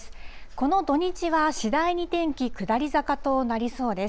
この土日は、次第に天気、下り坂となりそうです。